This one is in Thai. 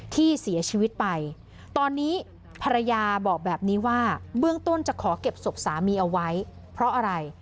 ที่เสียชีวิตไปตอนนี้ภรรยาบอกแบบนี้ว่าเบื้องต้นจะขอเก็บศพสามีเอาไว้เพราะอะไร